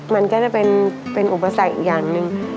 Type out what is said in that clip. มันก็จะเป็นอุปสรรคอีกอย่างหนึ่ง